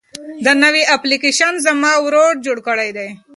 دا نوی اپلیکیشن زما ورور جوړ کړی دی.